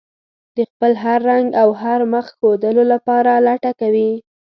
د خپل هر رنګ او هر مخ ښودلو لپاره لټه کوي.